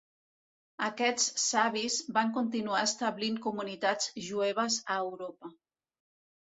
Aquests savis van continuar establint comunitats jueves a Europa.